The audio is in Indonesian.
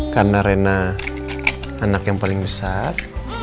karena rena anak yang paling besar